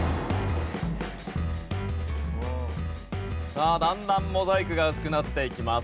さあだんだんモザイクが薄くなっていきます。